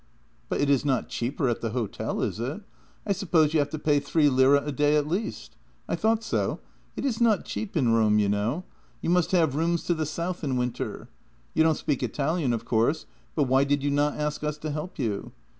" But it is not cheaper at the hotel, is it? I suppose you have to pay three lire a day at least? I thought so. It is not cheap in Rome, you know. You must have rooms to the south in winter. You don't speak Italian, of course, but why did you not ask us to help you?